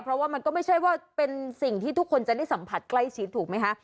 เพราะว่ามันก็ไม่ใช่ว่าเป็นสิ่งที่ทุกคนจะได้สัมผัสใกล้ชิดถูกไหมคะ